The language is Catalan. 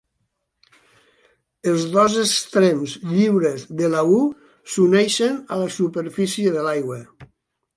Els dos extrems lliures de la "U" s'uneixen a la superfície de l'aigua.